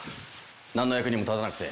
なんの役にも立たなくて。